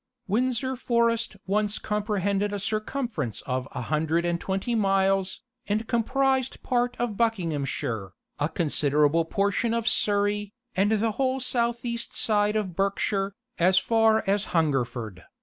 Windsor forest once comprehended a circumference of a hundred and twenty miles, and comprised part of Buckinghamshire, a considerable portion of Surrey, and the whole south east side of Berkshire, as far as Hungerford.